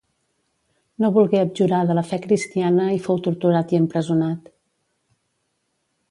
No volgué abjurar de la fe cristiana i fou torturat i empresonat.